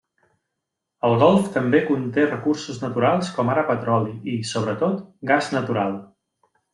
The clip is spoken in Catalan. El golf també conté recursos naturals com ara petroli i, sobretot, gas natural.